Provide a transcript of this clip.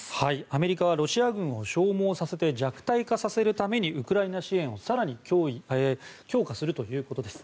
アメリカはロシア軍を消耗させて弱体化させるためにウクライナ支援を更に強化するということです。